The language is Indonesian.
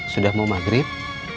sudah mau maghrib